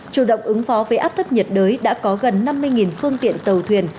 chủ động ứng phó với áp thấp nhiệt đới đã có gần năm mươi phương tiện tàu thuyền